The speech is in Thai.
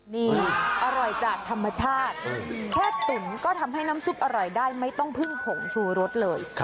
นี่อร่อยจากธรรมชาติแค่ตุ๋นก็ทำให้น้ำซุปอร่อยได้ไม่ต้องพึ่งผงชูรสเลย